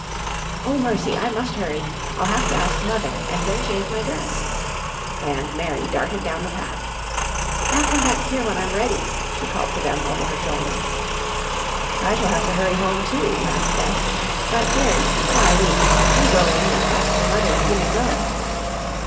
"Oh, mercy! I must hurry. I'll have to ask Mother, and then change my dress," and Mary darted down the path. "I'll come back here when I'm ready," she called to them over her shoulder. "I shall have to hurry home, too," laughed Beth, "but, Jerry, before I leave, do go in and ask your mother if you may go."